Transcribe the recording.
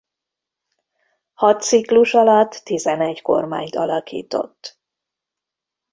Hat ciklus alatt tizenegy kormányt alakított.